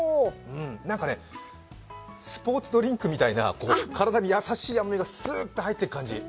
なんかねスポーツドリンクみたいな、体に優しい甘みがすーっと入っていく感じ。